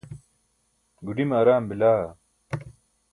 gudime araam bila